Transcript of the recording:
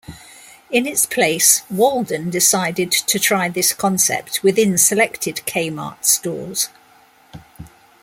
In its place, Walden decided to try this concept within selected Kmart stores.